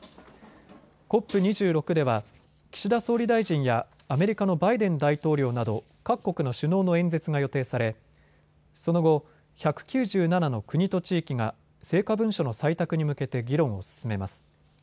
ＣＯＰ２６では岸田総理大臣やアメリカのバイデン大統領など各国の首脳の演説が予定されその後、１９７の国と地域が成果文書の採択に向けて議論を進めます。